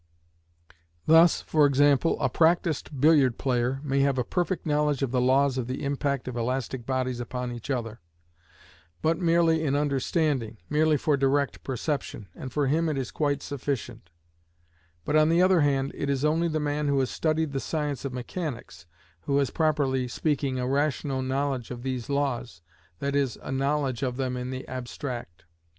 Thus, for example, a practised billiard player may have a perfect knowledge of the laws of the impact of elastic bodies upon each other, merely in the understanding, merely for direct perception; and for him it is quite sufficient; but on the other hand it is only the man who has studied the science of mechanics, who has, properly speaking, a rational knowledge of these laws, that is, a knowledge of them in the abstract.